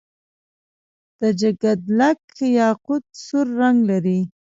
د جګدلک یاقوت سور رنګ لري.